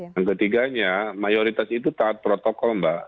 dan ketiganya mayoritas itu tak protokol mbak